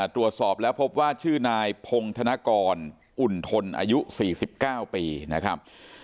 ตรวจสอบแล้วพบว่าชื่อนายพงธนกรอุ่นทนอายุ๔๙ปีนะครับ